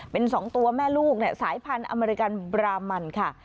เป็น๒ตัวแม่ลูกสายพันธุ์อเมริกันบรามันค่ะ